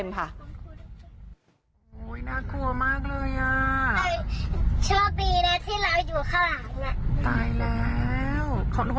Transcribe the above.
บ๊อบแมลงจนน่ากลัวฟัยแบบน่ากลัวมาก